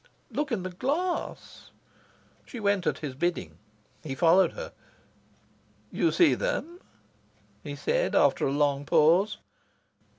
"Look in the glass." She went at his bidding. He followed her. "You see them?" he said, after a long pause.